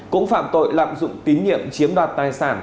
cũng phạm tội lạm dụng tín nhiệm chiếm đoạt tài sản